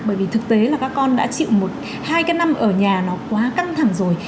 bởi vì thực tế là các con đã chịu một hai cái năm ở nhà nó quá căng thẳng rồi